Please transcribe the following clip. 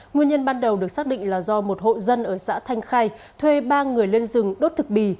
nguyên nhân ban đầu được xác định là do một hộ dân ở xã thanh khai thuê ba người lên rừng đốt thực bì